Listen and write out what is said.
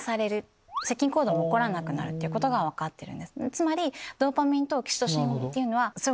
つまり。